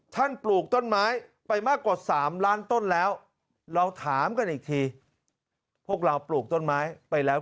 ปลูกต้นไม้ไปมากกว่า๓ล้านต้นแล้วเราถามกันอีกทีพวกเราปลูกต้นไม้ไปแล้ว